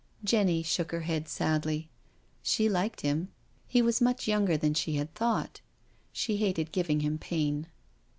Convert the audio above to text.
Jenny shook her head sadly. She liked him; he was much younger than she had thought; she hated giving him pain.